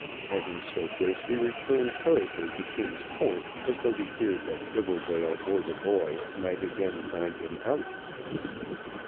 Having said this he returned hurriedly to King's Court as though he feared that Tribbledale or the boy might again find him out.